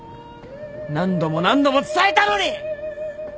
何度も何度も伝えたのに！！